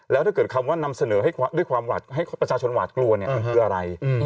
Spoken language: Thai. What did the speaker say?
แล้วถ้าเกิดคำว่านำเสนอให้ประชาชนหวาดกลัวนี่คืออะไร